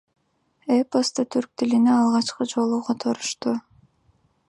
Эпосту түрк тилине алгачкы жолу которушту.